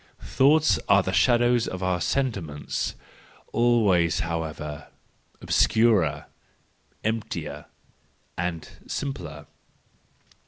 —Thoughts are the shadows of our sentiments — always, however, obscurer, emptier, and simpler.